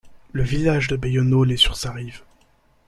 Le village de Bayanaul est sur sa rive.